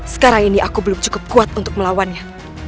sekarang ini aku belum cukup kuat untuk melawannya